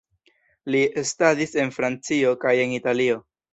Li estadis en Francio kaj en Italio.